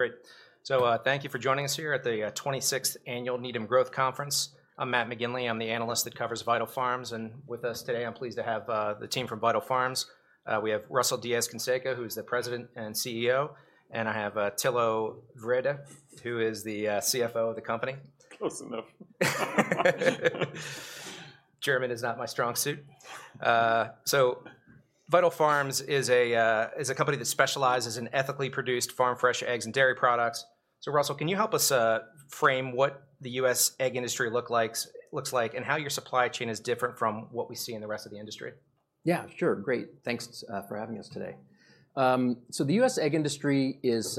Great. So, thank you for joining us here at the 26th Annual Needham Growth Conference. I'm Matt McGinley, I'm the analyst that covers Vital Farms, and with us today, I'm pleased to have the team from Vital Farms. We have Russell Diez-Canseco, who's the President and CEO, and I have Thilo Wrede, who is the CFO of the company. Close enough. German is not my strong suit. So Vital Farms is a company that specializes in ethically produced farm fresh eggs and dairy products. So Russell, can you help us frame what the U.S. egg industry looks like, and how your supply chain is different from what we see in the rest of the industry? Yeah, sure. Great. Thanks for having us today. So the U.S. egg industry has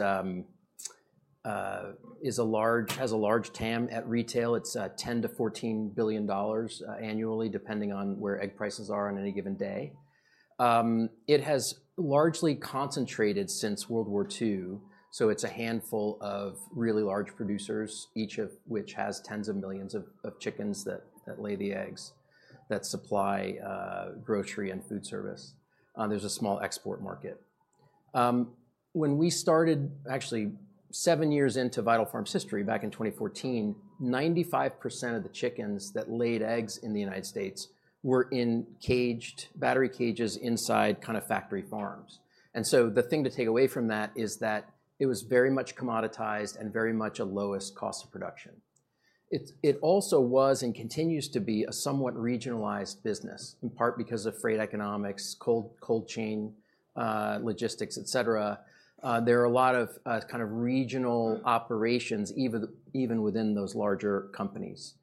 a large TAM at retail. It's $10 billion-$14 billion annually, depending on where egg prices are on any given day. It has largely concentrated since World War II, so it's a handful of really large producers, each of which has tens of millions of chickens that lay the eggs that supply grocery and food service. There's a small export market. When we started... Actually, 7 years into Vital Farms' history back in 2014, 95% of the chickens that laid eggs in the United States were in battery cages inside kind of factory farms. And so the thing to take away from that is that it was very much commoditized and very much a lowest cost of production. It also was, and continues to be, a somewhat regionalized business, in part because of freight economics, cold chain, logistics, et cetera. There are a lot of kind of regional operations, even within those larger companies.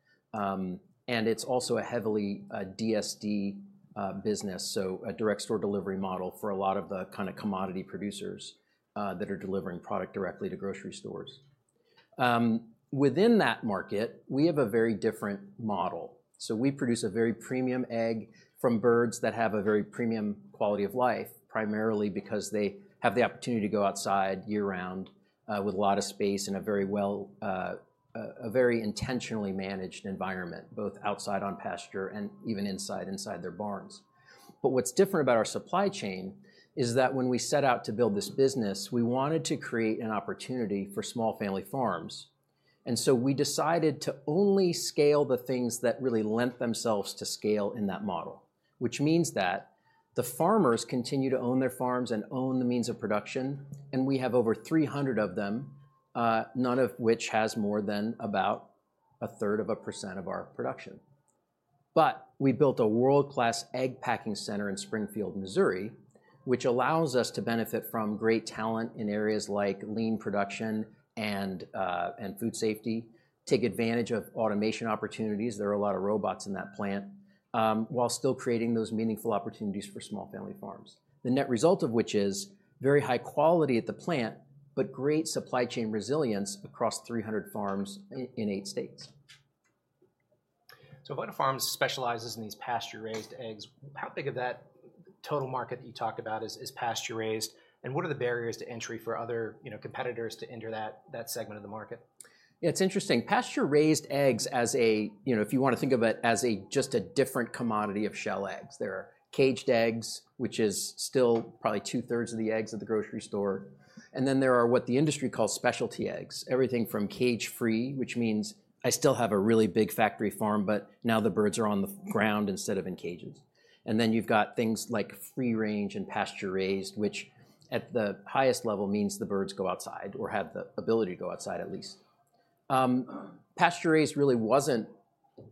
And it's also a heavily DSD business, so a direct store delivery model for a lot of the kind of commodity producers that are delivering product directly to grocery stores. Within that market, we have a very different model. So we produce a very premium egg from birds that have a very premium quality of life, primarily because they have the opportunity to go outside year-round, with a lot of space and a very intentionally managed environment, both outside on pasture and even inside their barns. But what's different about our supply chain is that when we set out to build this business, we wanted to create an opportunity for small family farms, and so we decided to only scale the things that really lent themselves to scale in that model. Which means that the farmers continue to own their farms and own the means of production, and we have over 300 of them, none of which has more than about a third of a percent of our production. But we built a world-class egg packing center in Springfield, Missouri, which allows us to benefit from great talent in areas like lean production and food safety, take advantage of automation opportunities, there are a lot of robots in that plant, while still creating those meaningful opportunities for small family farms. The net result of which is very high quality at the plant, but great supply chain resilience across 300 farms in eight states. Vital Farms specializes in these pasture-raised eggs. How big of that total market you talked about is pasture-raised, and what are the barriers to entry for other, you know, competitors to enter that segment of the market? It's interesting. Pasture-raised eggs as a... You know, if you wanna think of it as a, just a different commodity of shell eggs. There are caged eggs, which is still probably two-thirds of the eggs at the grocery store, and then there are what the industry calls specialty eggs. Everything from cage-free, which means I still have a really big factory farm, but now the birds are on the ground instead of in cages. And then you've got things like free-range and pasture-raised, which at the highest level means the birds go outside or have the ability to go outside, at least. Pasture-raised really wasn't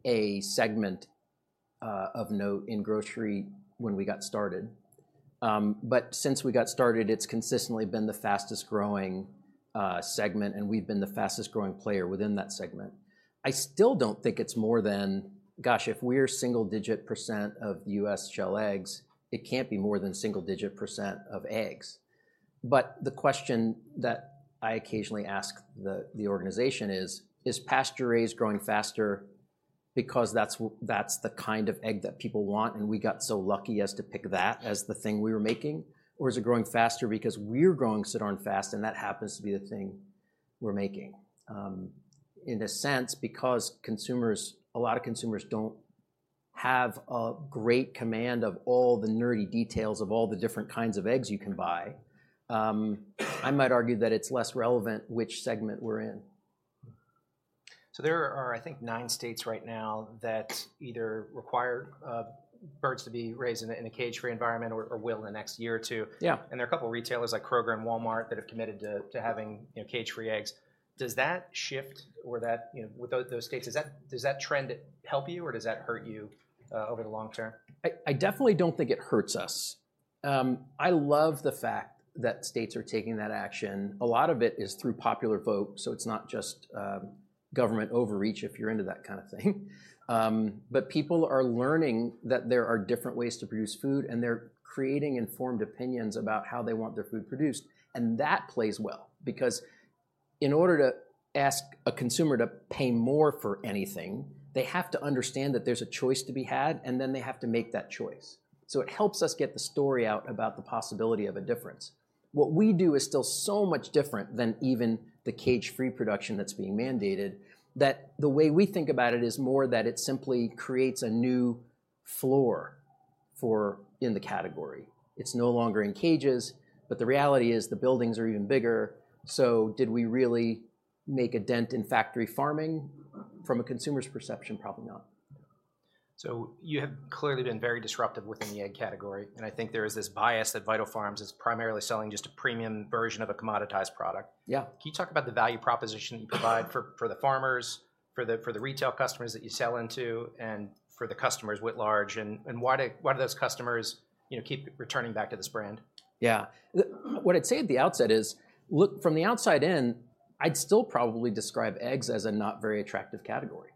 a segment of note in grocery when we got started. But since we got started, it's consistently been the fastest growing segment, and we've been the fastest growing player within that segment. I still don't think it's more than... Gosh, if we're single-digit % of U.S. shell eggs, it can't be more than single-digit % of eggs. But the question that I occasionally ask the organization is, is pasture-raised growing faster because that's the kind of egg that people want, and we got so lucky as to pick that as the thing we were making? Or is it growing faster because we're growing so darn fast, and that happens to be the thing we're making? In a sense, because consumers—a lot of consumers don't have a great command of all the nerdy details of all the different kinds of eggs you can buy, I might argue that it's less relevant which segment we're in. There are, I think, nine states right now that either require birds to be raised in a cage-free environment or will in the next year or two. Yeah. There are a couple of retailers like Kroger and Walmart that have committed to having, you know, cage-free eggs. Does that shift or that, you know, with those states, does that trend help you, or does that hurt you over the long term? I definitely don't think it hurts us. I love the fact that states are taking that action. A lot of it is through popular vote, so it's not just, government overreach, if you're into that kind of thing. But people are learning that there are different ways to produce food, and they're creating informed opinions about how they want their food produced, and that plays well. Because in order to ask a consumer to pay more for anything, they have to understand that there's a choice to be had, and then they have to make that choice. So it helps us get the story out about the possibility of a difference. What we do is still so much different than even the cage-free production that's being mandated, that the way we think about it is more that it simply creates a new floor... for in the category. It's no longer in cages, but the reality is the buildings are even bigger, so did we really make a dent in factory farming? From a consumer's perception, probably not. So you have clearly been very disruptive within the egg category, and I think there is this bias that Vital Farms is primarily selling just a premium version of a commoditized product. Yeah. Can you talk about the value proposition you provide for the farmers, for the retail customers that you sell into, and for the customers writ large, and why do those customers, you know, keep returning back to this brand? Yeah. What I'd say at the outset is, look, from the outside in, I'd still probably describe eggs as a not very attractive category,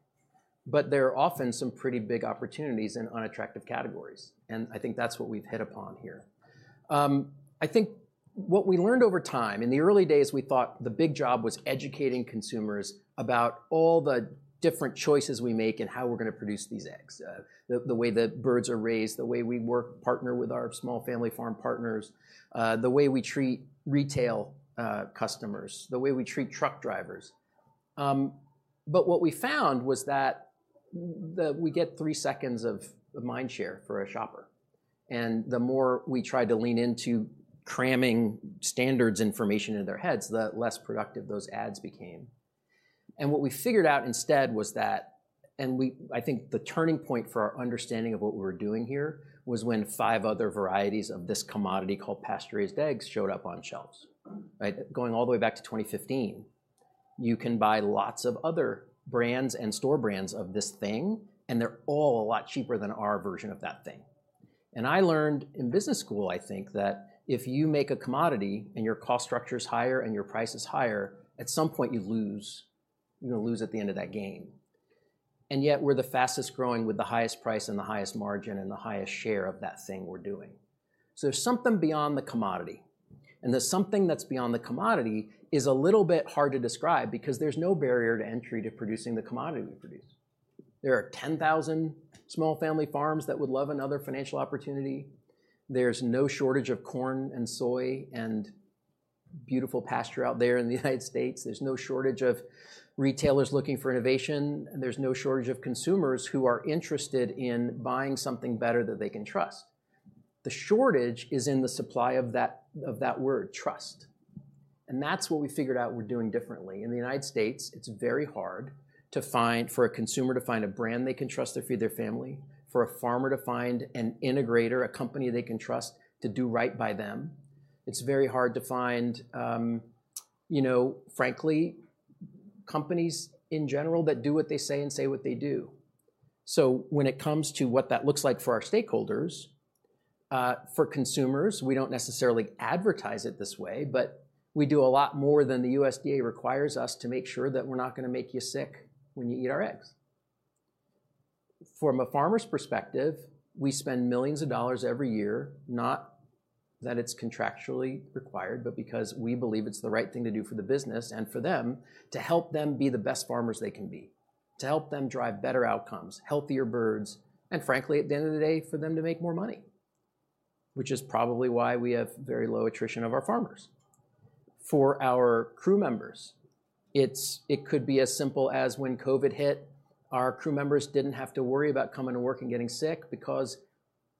but there are often some pretty big opportunities in unattractive categories, and I think that's what we've hit upon here. I think what we learned over time... In the early days, we thought the big job was educating consumers about all the different choices we make and how we're gonna produce these eggs. The way the birds are raised, the way we work, partner with our small family farm partners, the way we treat retail customers, the way we treat truck drivers. But what we found was that we get 3 seconds of mind share for a shopper, and the more we tried to lean into cramming standards information into their heads, the less productive those ads became. And what we figured out instead was that... I think the turning point for our understanding of what we were doing here was when 5 other varieties of this commodity called pasture-raised eggs showed up on shelves, right? Going all the way back to 2015. You can buy lots of other brands and store brands of this thing, and they're all a lot cheaper than our version of that thing. And I learned in business school, I think, that if you make a commodity and your cost structure is higher and your price is higher, at some point, you lose. You're gonna lose at the end of that game. And yet we're the fastest-growing with the highest price and the highest margin and the highest share of that thing we're doing. So there's something beyond the commodity, and the something that's beyond the commodity is a little bit hard to describe because there's no barrier to entry to producing the commodity we produce. There are 10,000 small family farms that would love another financial opportunity. There's no shortage of corn and soy and beautiful pasture out there in the United States. There's no shortage of retailers looking for innovation. There's no shortage of consumers who are interested in buying something better that they can trust. The shortage is in the supply of that, of that word, trust, and that's what we figured out we're doing differently. In the United States, it's very hard to find for a consumer to find a brand they can trust to feed their family, for a farmer to find an integrator, a company they can trust to do right by them. It's very hard to find, you know, frankly, companies in general that do what they say and say what they do. So when it comes to what that looks like for our stakeholders, for consumers, we don't necessarily advertise it this way, but we do a lot more than the USDA requires us to make sure that we're not gonna make you sick when you eat our eggs. From a farmer's perspective, we spend millions of dollars every year, not that it's contractually required, but because we believe it's the right thing to do for the business and for them, to help them be the best farmers they can be, to help them drive better outcomes, healthier birds, and frankly, at the end of the day, for them to make more money, which is probably why we have very low attrition of our farmers. For our crew members, it could be as simple as when COVID hit, our crew members didn't have to worry about coming to work and getting sick because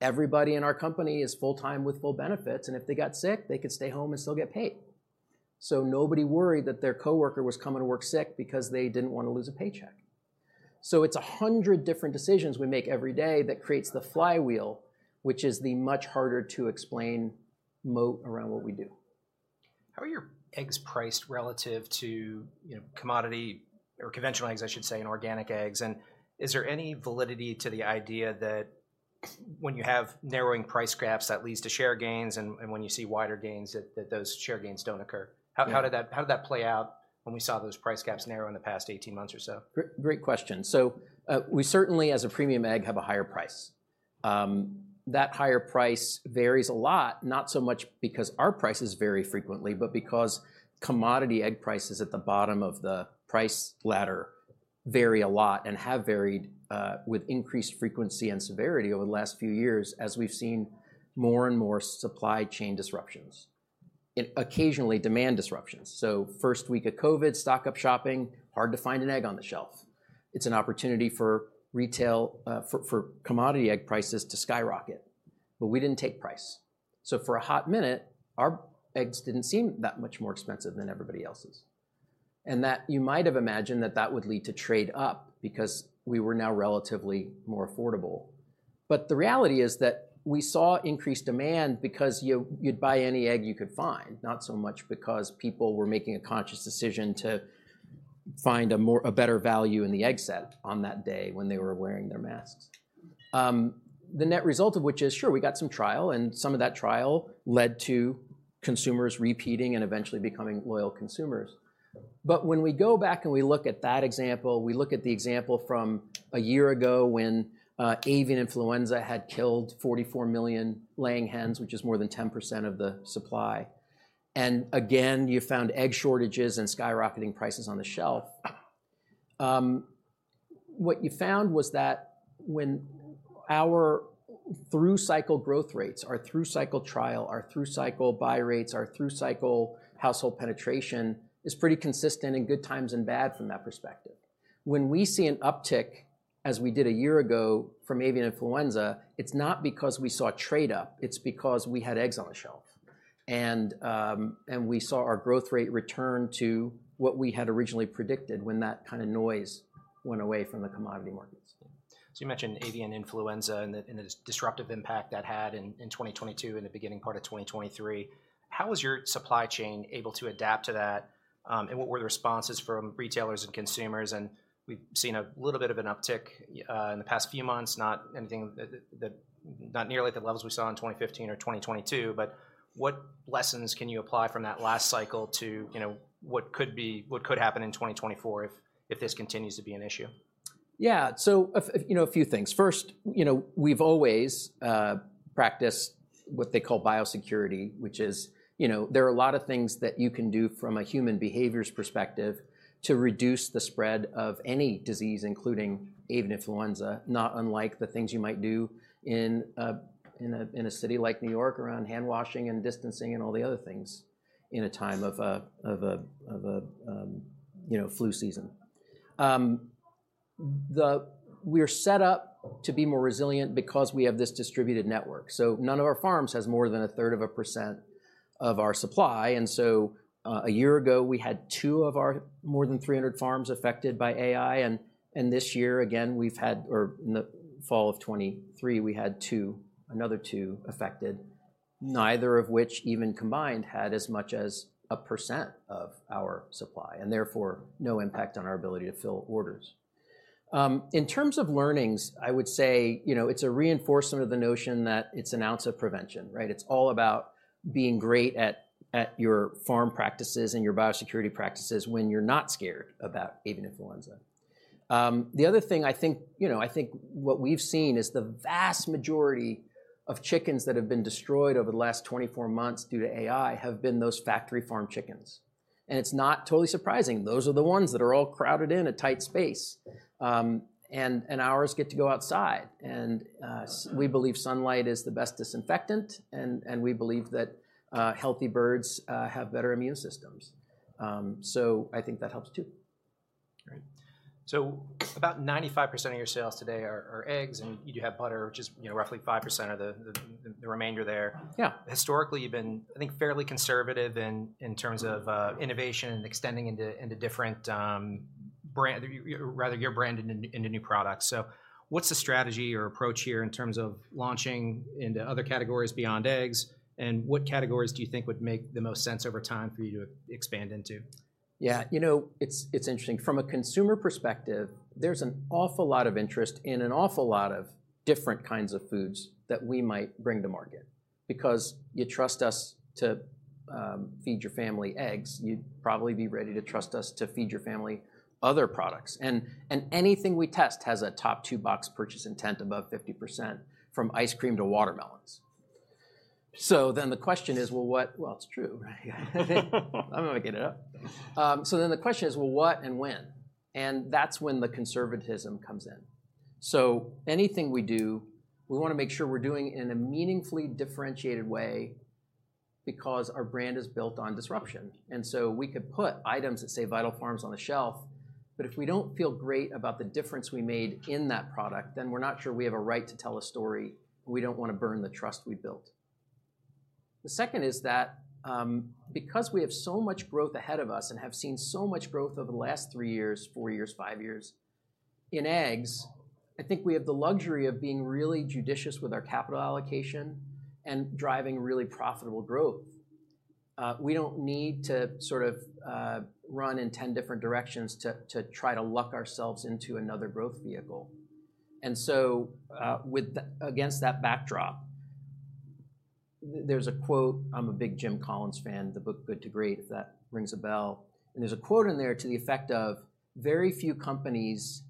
everybody in our company is full-time with full benefits, and if they got sick, they could stay home and still get paid. So nobody worried that their coworker was coming to work sick because they didn't want to lose a paycheck. It's 100 different decisions we make every day that creates the flywheel, which is the much harder to explain moat around what we do. How are your eggs priced relative to, you know, commodity or conventional eggs, I should say, and organic eggs? And is there any validity to the idea that when you have narrowing price gaps, that leads to share gains, and when you see wider gains, that those share gains don't occur? Yeah. How did that play out when we saw those price gaps narrow in the past 18 months or so? Great, great question. So, we certainly, as a premium egg, have a higher price. That higher price varies a lot, not so much because our prices vary frequently, but because commodity egg prices at the bottom of the price ladder vary a lot and have varied, with increased frequency and severity over the last few years, as we've seen more and more supply chain disruptions and occasionally demand disruptions. So first week of COVID, stock-up shopping, hard to find an egg on the shelf. It's an opportunity for retail, for commodity egg prices to skyrocket, but we didn't take price. So for a hot minute, our eggs didn't seem that much more expensive than everybody else's, and that you might have imagined that that would lead to trade up because we were now relatively more affordable. But the reality is that we saw increased demand because you, you'd buy any egg you could find, not so much because people were making a conscious decision to find a more, a better value in the egg set on that day when they were wearing their masks. The net result of which is, sure, we got some trial, and some of that trial led to consumers repeating and eventually becoming loyal consumers. But when we go back and we look at that example, we look at the example from a year ago when avian influenza had killed 44 million laying hens, which is more than 10% of the supply, and again, you found egg shortages and skyrocketing prices on the shelf. What you found was that when our through-cycle growth rates, our through-cycle trial, our through-cycle buy rates, our through-cycle household penetration is pretty consistent in good times and bad from that perspective... when we see an uptick, as we did a year ago from avian influenza, it's not because we saw trade up, it's because we had eggs on the shelf. And, and we saw our growth rate return to what we had originally predicted when that kind of noise went away from the commodity markets. So you mentioned avian influenza and the disruptive impact that had in 2022 and the beginning part of 2023. How was your supply chain able to adapt to that, and what were the responses from retailers and consumers? And we've seen a little bit of an uptick in the past few months, not anything, not nearly the levels we saw in 2015 or 2022. But what lessons can you apply from that last cycle to, you know, what could happen in 2024 if this continues to be an issue? Yeah. So, you know, a few things. First, you know, we've always practiced what they call biosecurity, which is, you know, there are a lot of things that you can do from a human behaviors perspective to reduce the spread of any disease, including avian influenza, not unlike the things you might do in a city like New York around handwashing and distancing and all the other things in a time of a flu season. We're set up to be more resilient because we have this distributed network, so none of our farms has more than a third of a percent of our supply. And so, a year ago, we had two of our more than 300 farms affected by AI, and this year again, we've had... Or in the fall of 2023, we had 2, another 2 affected, neither of which even combined, had as much as 1% of our supply, and therefore no impact on our ability to fill orders. In terms of learnings, I would say, you know, it's a reinforcement of the notion that it's an ounce of prevention, right? It's all about being great at your farm practices and your biosecurity practices when you're not scared about avian influenza. The other thing I think, you know, I think what we've seen is the vast majority of chickens that have been destroyed over the last 24 months due to AI have been those factory farm chickens, and it's not totally surprising. Those are the ones that are all crowded in a tight space. And ours get to go outside. We believe sunlight is the best disinfectant, and we believe that healthy birds have better immune systems. So I think that helps too. Great. So about 95% of your sales today are eggs- Mm-hmm. - and you do have butter, which is, you know, roughly 5% of the remainder there. Yeah. Historically, you've been, I think, fairly conservative in terms of innovation and extending into different brand-- or rather your brand into new products. So what's the strategy or approach here in terms of launching into other categories beyond eggs? And what categories do you think would make the most sense over time for you to expand into? Yeah, you know, it's interesting. From a consumer perspective, there's an awful lot of interest and an awful lot of different kinds of foods that we might bring to market. Because you trust us to feed your family eggs, you'd probably be ready to trust us to feed your family other products. And anything we test has a top two box purchase intent above 50%, from ice cream to watermelons. So then the question is, well, what? Well, it's true, right? I'm not making it up. So then the question is, well, what and when? And that's when the conservatism comes in. So anything we do, we wanna make sure we're doing it in a meaningfully differentiated way because our brand is built on disruption. And so we could put items that say Vital Farms on the shelf, but if we don't feel great about the difference we made in that product, then we're not sure we have a right to tell a story, and we don't wanna burn the trust we built. The second is that, because we have so much growth ahead of us and have seen so much growth over the last three years, four years, five years in eggs, I think we have the luxury of being really judicious with our capital allocation and driving really profitable growth. We don't need to sort of, run in 10 different directions to, to try to luck ourselves into another growth vehicle. And so, with the against that backdrop, there's a quote. I'm a big Jim Collins fan, the book Good to Great, if that rings a bell. There's a quote in there to the effect of, "Very few companies,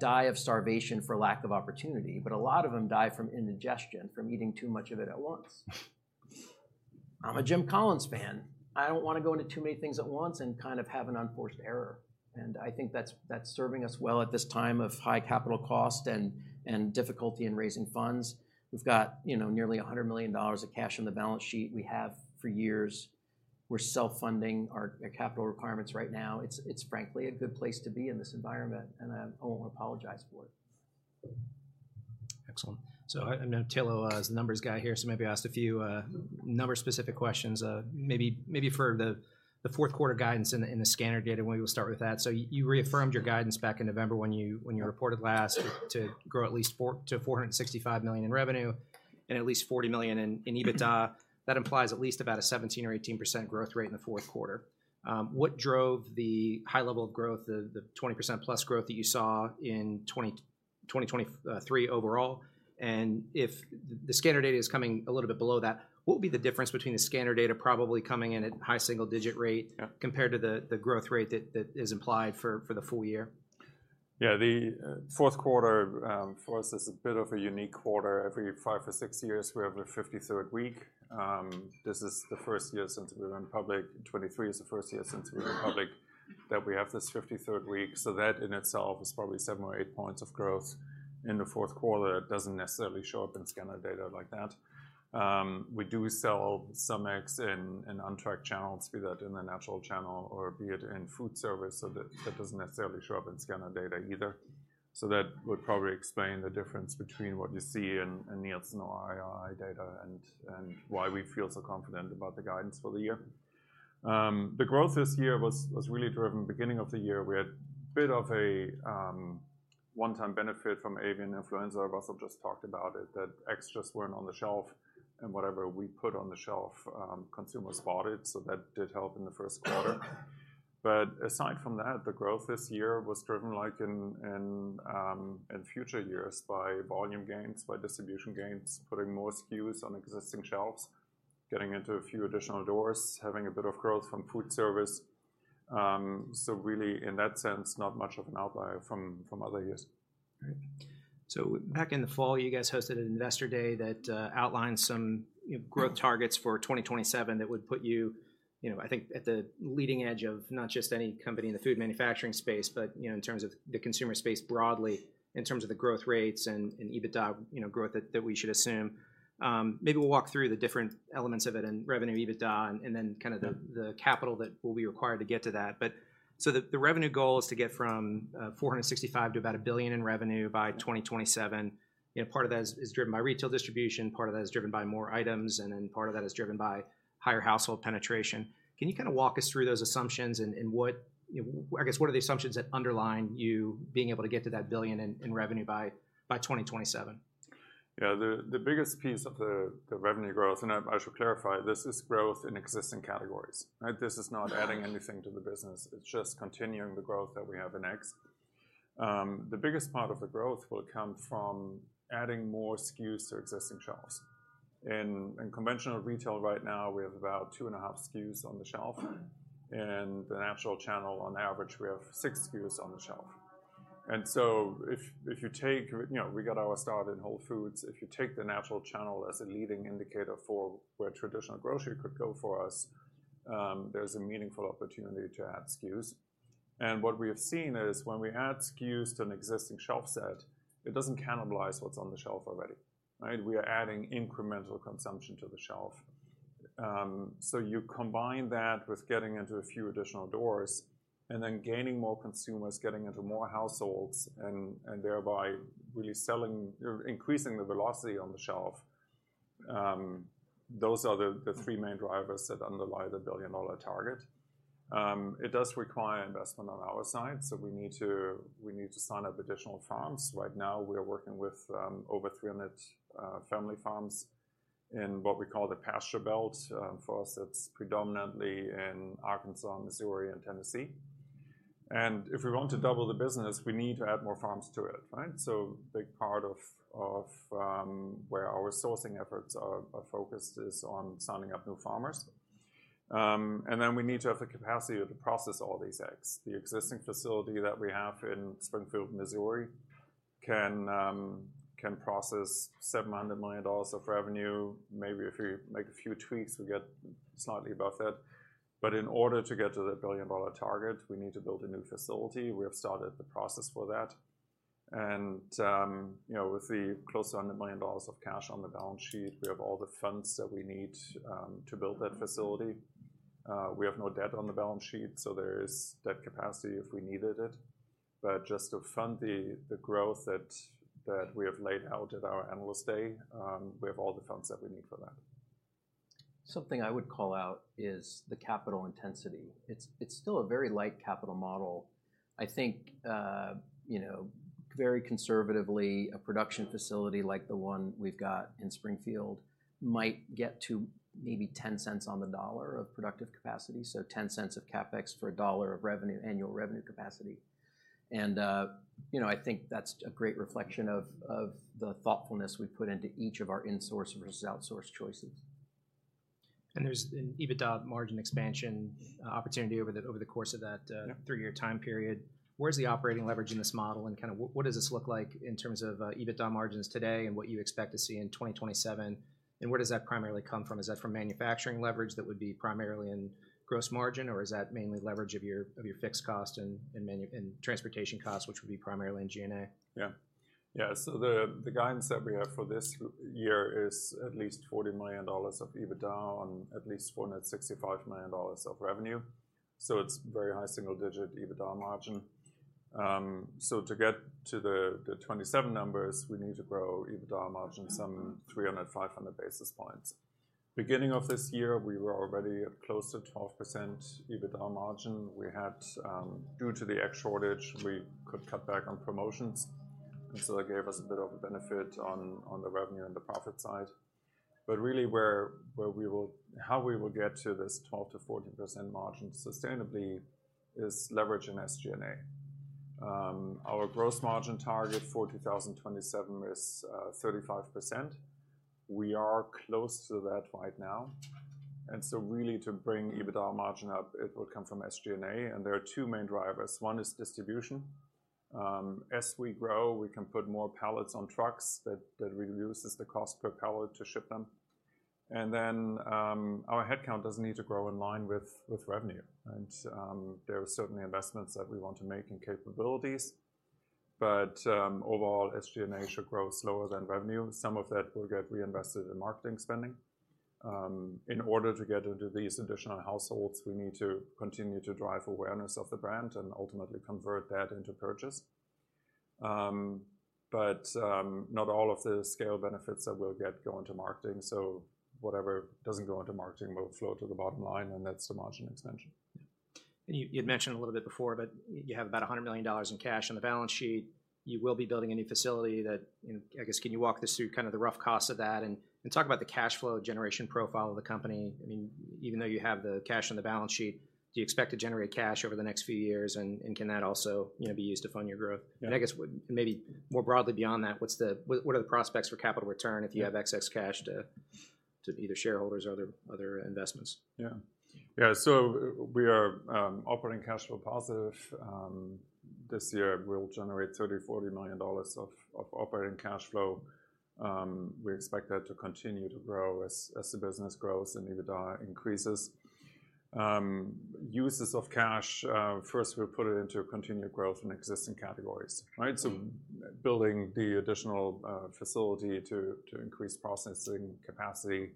die of starvation for lack of opportunity, but a lot of them die from indigestion, from eating too much of it at once." I'm a Jim Collins fan. I don't wanna go into too many things at once and kind of have an unforced error. And I think that's serving us well at this time of high capital cost and difficulty in raising funds. We've got, you know, nearly $100 million of cash on the balance sheet. We have for years. We're self-funding our capital requirements right now. It's frankly a good place to be in this environment, and I won't apologize for it. Excellent. So I know Thilo is the numbers guy here, so maybe I'll ask a few numbers-specific questions. Maybe for the fourth quarter guidance in the scanner data, why don't we start with that? So you reaffirmed your guidance back in November when you reported last to grow at least $400 million-$465 million in revenue and at least $40 million in EBITDA. Mm-hmm. That implies at least about a 17% or 18% growth rate in the fourth quarter. What drove the high level of growth, the 20%+ growth that you saw in 2023 overall? And if the scanner data is coming a little bit below that, what will be the difference between the scanner data probably coming in at high single-digit rate- Yeah... compared to the growth rate that is implied for the full year? Yeah, the fourth quarter for us is a bit of a unique quarter. Every 5 or 6 years, we have a 53rd week. This is the first year since we went public. 2023 is the first year since we went public that we have this 53rd week. So that in itself is probably 7 or 8 points of growth. In the fourth quarter, it doesn't necessarily show up in scanner data like that. We do sell some eggs in untracked channels, be that in the natural channel or be it in food service, so that doesn't necessarily show up in scanner data either. So that would probably explain the difference between what you see in Nielsen or IRI data and why we feel so confident about the guidance for the year. The growth this year was really driven beginning of the year, we had a bit of a one-time benefit from avian influenza. Russell just talked about it, that eggs just weren't on the shelf, and whatever we put on the shelf, consumers bought it, so that did help in the first quarter. But aside from that, the growth this year was driven, like in future years, by volume gains, by distribution gains, putting more SKUs on existing shelves, getting into a few additional doors, having a bit of growth from food service. So really, in that sense, not much of an outlier from other years. Great. So back in the fall, you guys hosted an investor day that outlined some, you know, growth targets for 2027 that would put you, you know, I think at the leading edge of not just any company in the food manufacturing space, but, you know, in terms of the consumer space broadly, in terms of the growth rates and EBITDA, you know, growth that we should assume. Maybe we'll walk through the different elements of it and revenue, EBITDA, and then kind of the capital that will be required to get to that. But so the revenue goal is to get from $465 million to about $1 billion in revenue by 2027. You know, part of that is, is driven by retail distribution, part of that is driven by more items, and then part of that is driven by higher household penetration. Can you kind of walk us through those assumptions and, and what... You know, I guess, what are the assumptions that underlie you being able to get to that $1 billion in, in revenue by, by 2027? Yeah. The biggest piece of the revenue growth— And I should clarify, this is growth in existing categories, right? This is not adding anything to the business. It's just continuing the growth that we have in eggs. The biggest part of the growth will come from adding more SKUs to existing shelves. In conventional retail right now, we have about 2.5 SKUs on the shelf. In the natural channel, on average, we have 6 SKUs on the shelf. And so if you take— You know, we got our start in Whole Foods. If you take the natural channel as a leading indicator for where traditional grocery could go for us, there's a meaningful opportunity to add SKUs. What we have seen is when we add SKUs to an existing shelf set, it doesn't cannibalize what's on the shelf already, right? We are adding incremental consumption to the shelf. So you combine that with getting into a few additional doors and then gaining more consumers, getting into more households, and, and thereby really selling, or increasing the velocity on the shelf. Those are the three main drivers that underlie the billion-dollar target. It does require investment on our side, so we need to, we need to sign up additional farms. Right now, we are working with over 300 family farms in what we call the Pasture Belt. For us, that's predominantly in Arkansas, Missouri, and Tennessee. If we want to double the business, we need to add more farms to it, right? So a big part of where our sourcing efforts are focused is on signing up new farmers. Then we need to have the capacity to process all these eggs. The existing facility that we have in Springfield, Missouri, can process $700 million of revenue. Maybe if we make a few tweaks, we get slightly above that. But in order to get to the billion-dollar target, we need to build a new facility. We have started the process for that. You know, with close to $100 million of cash on the balance sheet, we have all the funds that we need to build that facility. We have no debt on the balance sheet, so there is that capacity if we needed it. But just to fund the growth that we have laid out at our Analyst Day, we have all the funds that we need for that. Something I would call out is the capital intensity. It's still a very light capital model. I think, you know, very conservatively, a production facility like the one we've got in Springfield might get to maybe $0.10 on the dollar of productive capacity, so $0.10 of CapEx for a $1 of revenue, annual revenue capacity. And, you know, I think that's a great reflection of the thoughtfulness we've put into each of our in-source versus outsource choices. There's an EBITDA margin expansion opportunity over the course of that. Yep... three-year time period. Where's the operating leverage in this model, and kind of what does this look like in terms of EBITDA margins today and what you expect to see in 2027? And where does that primarily come from? Is that from manufacturing leverage that would be primarily in gross margin, or is that mainly leverage of your fixed cost and transportation costs, which would be primarily in G&A? Yeah. Yeah, so the guidance that we have for this year is at least $40 million of EBITDA on at least $465 million of revenue, so it's very high single-digit EBITDA margin. So to get to the 2027 numbers, we need to grow EBITDA margin some 300-500 basis points. Beginning of this year, we were already at close to 12% EBITDA margin. Due to the egg shortage, we could cut back on promotions, and so that gave us a bit of a benefit on the revenue and the profit side. But really, where we will—how we will get to this 12%-14% margin sustainably is leverage in SG&A. Our gross margin target for 2027 is 35%. We are close to that right now, and so really to bring EBITDA margin up, it will come from SG&A, and there are two main drivers. One is distribution. As we grow, we can put more pallets on trucks. That reduces the cost per pallet to ship them. And then, our headcount doesn't need to grow in line with revenue. And, there are certainly investments that we want to make in capabilities, but overall, SG&A should grow slower than revenue. Some of that will get reinvested in marketing spending. In order to get into these additional households, we need to continue to drive awareness of the brand and ultimately convert that into purchase. Not all of the scale benefits that we'll get go into marketing, so whatever doesn't go into marketing will flow to the bottom line, and that's the margin expansion. Yeah. And you, you'd mentioned a little bit before, but you have about $100 million in cash on the balance sheet. You will be building a new facility that, you know, I guess, can you walk us through kind of the rough costs of that, and talk about the cash flow generation profile of the company? I mean, even though you have the cash on the balance sheet, do you expect to generate cash over the next few years, and can that also, you know, be used to fund your growth? Yeah. I guess maybe more broadly beyond that, what are the prospects for capital return? Yeah... if you have excess cash to either shareholders or other investments? Yeah. Yeah, so we are operating cash flow positive. This year, we'll generate $30 million-$40 million of operating cash flow. We expect that to continue to grow as the business grows and EBITDA increases. Uses of cash, first, we'll put it into continued growth in existing categories, right? Mm. So building the additional facility to increase processing capacity,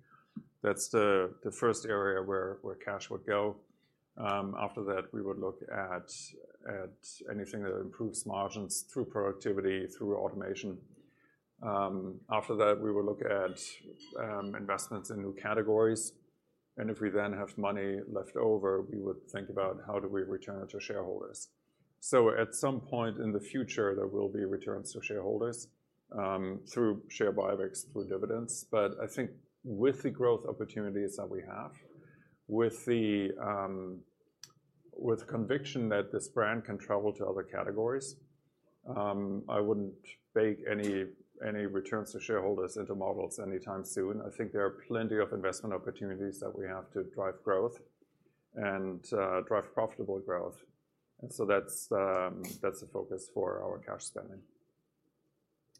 that's the first area where cash would go. After that, we would look at anything that improves margins through productivity, through automation. After that, we would look at investments in new categories, and if we then have money left over, we would think about how do we return it to shareholders. So at some point in the future, there will be returns to shareholders through share buybacks, through dividends. But I think with the growth opportunities that we have, with the conviction that this brand can travel to other categories, I wouldn't bake any returns to shareholders into models anytime soon. I think there are plenty of investment opportunities that we have to drive growth and drive profitable growth, and so that's the focus for our cash spending.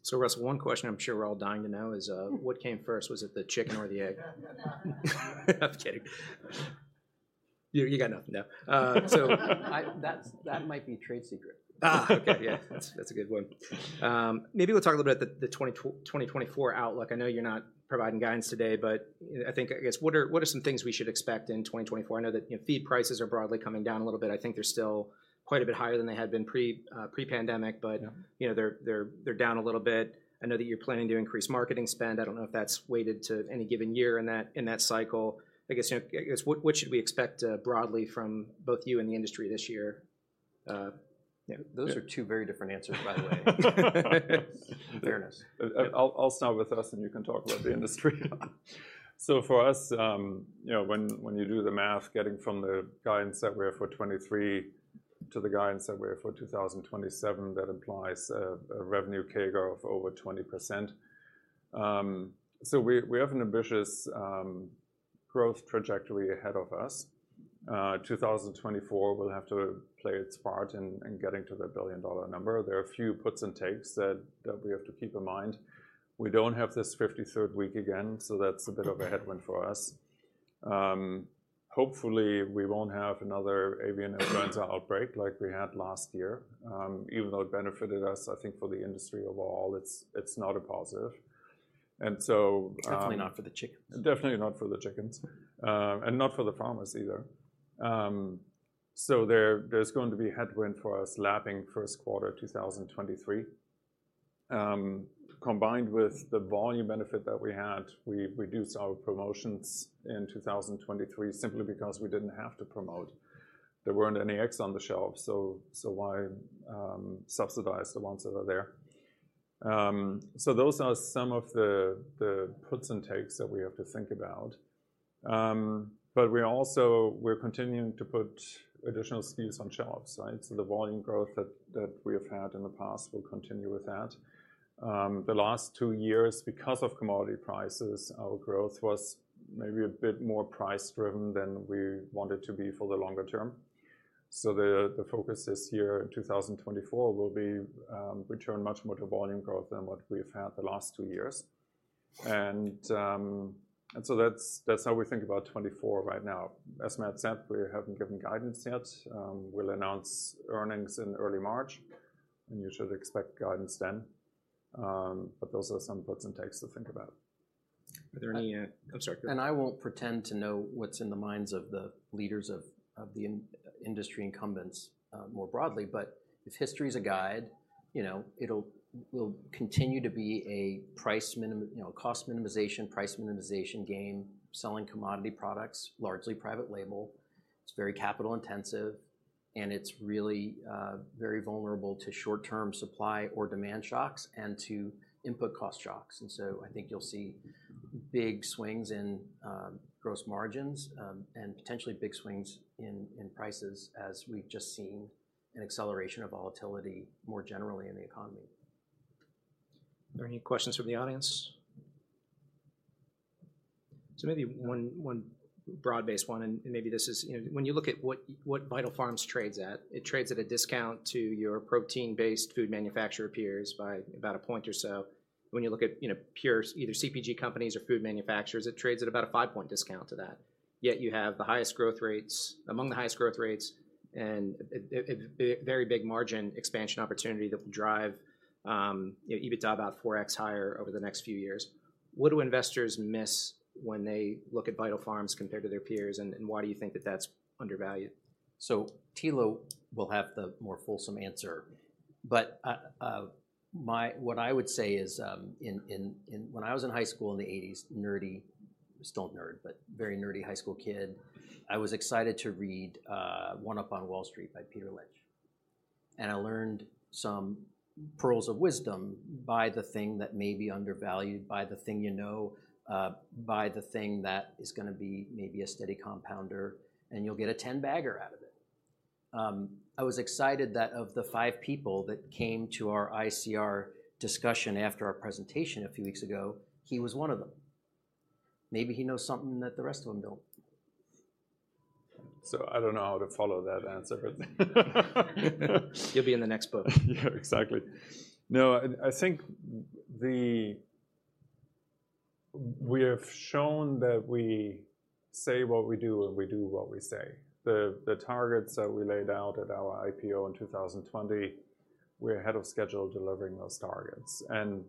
So Russ, one question I'm sure we're all dying to know is, what came first? Was it the chicken or the egg? I'm kidding. You, you got nothing, no. So- That might be a trade secret. Ah, okay, yeah. That's, that's a good one. Maybe we'll talk a little bit about the 2024 outlook. I know you're not providing guidance today, but, you know, I think, I guess, what are, what are some things we should expect in 2024? I know that, you know, feed prices are broadly coming down a little bit. I think they're still quite a bit higher than they had been pre-, pre-pandemic, but- Yeah... you know, they're down a little bit. I know that you're planning to increase marketing spend. I don't know if that's weighted to any given year in that cycle. I guess, you know, I guess what should we expect broadly from both you and the industry this year? Yeah. Those are two very different answers, by the way. In fairness. I'll start with us, and you can talk about the industry. So for us, you know, when you do the math, getting from the guidance that we have for 2023 to the guidance that we have for 2027, that implies a revenue CAGR of over 20%. So we have an ambitious growth trajectory ahead of us. 2024 will have to play its part in getting to the billion-dollar number. There are a few puts and takes that we have to keep in mind. We don't have this 53rd week again, so that's a bit of a headwind for us. Hopefully, we won't have another avian influenza outbreak like we had last year. Even though it benefited us, I think for the industry overall, it's not a positive. And so, Definitely not for the chickens. Definitely not for the chickens, and not for the farmers either. So there's going to be headwind for us lapping first quarter 2023. Combined with the volume benefit that we had, we reduced our promotions in 2023 simply because we didn't have to promote. There weren't any eggs on the shelf, so why subsidize the ones that are there? So those are some of the puts and takes that we have to think about. But we're continuing to put additional SKUs on shelves, right? So the volume growth that we have had in the past will continue with that. The last two years, because of commodity prices, our growth was maybe a bit more price-driven than we want it to be for the longer term. So the focus this year, in 2024, will be return much more to volume growth than what we've had the last two years. And so that's how we think about 2024 right now. As Matt said, we haven't given guidance yet. We'll announce earnings in early March, and you should expect guidance then. But those are some puts and takes to think about. Are there any... I'm sorry. I won't pretend to know what's in the minds of the leaders of the industry incumbents more broadly, but if history is a guide, you know, it will continue to be a price minimization, you know, cost minimization, price minimization game, selling commodity products, largely private label. It's very capital intensive, and it's really very vulnerable to short-term supply or demand shocks and to input cost shocks. And so I think you'll see big swings in gross margins and potentially big swings in prices as we've just seen an acceleration of volatility more generally in the economy. Are there any questions from the audience? So maybe one broad-based one, and maybe this is, you know, when you look at what Vital Farms trades at, it trades at a discount to your protein-based food manufacturer peers by about a point or so. When you look at, you know, peers, either CPG companies or food manufacturers, it trades at about a 5-point discount to that. Yet you have the highest growth rates, among the highest growth rates, and a very big margin expansion opportunity that will drive, you know, EBITDA about 4x higher over the next few years. What do investors miss when they look at Vital Farms compared to their peers, and why do you think that that's undervalued? So Thilo will have the more fulsome answer, but my-- what I would say is, when I was in high school in the eighties, nerdy, still a nerd, but very nerdy high school kid, I was excited to read One Up on Wall Street by Peter Lynch. And I learned some pearls of wisdom: buy the thing that may be undervalued, buy the thing you know, buy the thing that is gonna be maybe a steady compounder, and you'll get a ten-bagger out of it. I was excited that of the five people that came to our ICR discussion after our presentation a few weeks ago, he was one of them. Maybe he knows something that the rest of them don't. I don't know how to follow that answer, but You'll be in the next book. Yeah, exactly. No, I think the we have shown that we say what we do, and we do what we say. The targets that we laid out at our IPO in 2020, we're ahead of schedule delivering those targets. And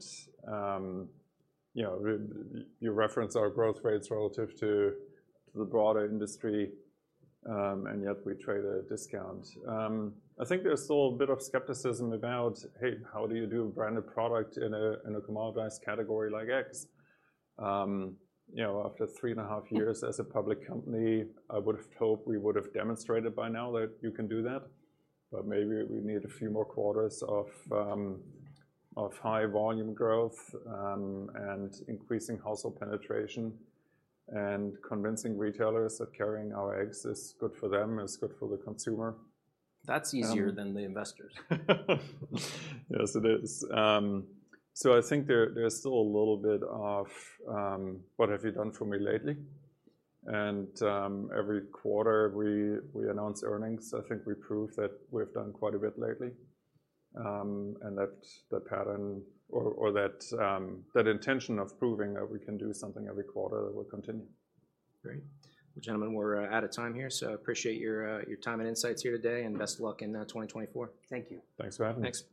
you know, you reference our growth rates relative to the broader industry, and yet we trade at a discount. I think there's still a bit of skepticism about, hey, how do you do a branded product in a commoditized category like eggs? You know, after 3.5 years as a public company, I would have hoped we would have demonstrated by now that you can do that, but maybe we need a few more quarters of high volume growth and increasing household penetration, and convincing retailers that carrying our eggs is good for them, is good for the consumer. That's easier than the investors. Yes, it is. I think there's still a little bit of, "What have you done for me lately?" Every quarter we announce earnings, I think we prove that we've done quite a bit lately. That the pattern or that intention of proving that we can do something every quarter will continue. Great. Well, gentlemen, we're out of time here, so appreciate your time and insights here today, and best of luck in 2024. Thank you. Thanks for having us. Thanks.